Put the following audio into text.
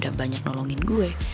udah banyak nolongin gue